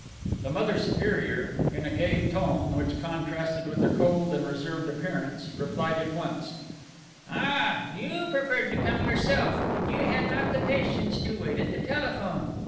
The Mother Superior, in a gay tone, which contrasted with her cold and reserved appearance, replied at once: "Ah, you preferred to come yourself! You had not the patience to wait at the telephone?